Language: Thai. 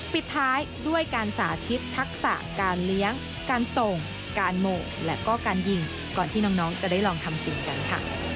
ปิดท้ายด้วยการสาธิตทักษะการเลี้ยงการส่งการโมและก็การยิงก่อนที่น้องจะได้ลองทำสิ่งกันค่ะ